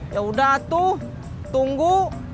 ya udah tuh tunggu